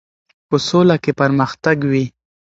په سوله کې پرمختګ وي.